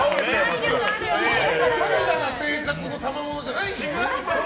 怠惰な生活のたまものじゃないですね。